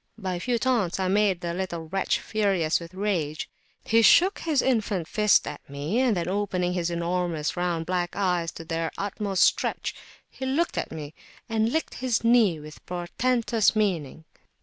By a few taunts, I made the little wretch furious with rage; he shook his infant fist at me, and then opening his enormous round black eyes to their utmost stretch, he looked at me, and licked his knee with portentous meaning.